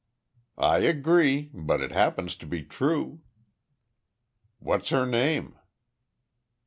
"I agree. But it happens to be true." "What's her name?"